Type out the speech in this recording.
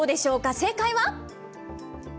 正解は？